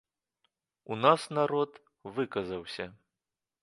У нас народ выказаўся.